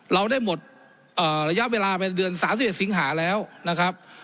เราได้หมดเอ่อระยะเวลาเป็นเดือนสามสิบเอ็ดสิงหาแล้วนะครับ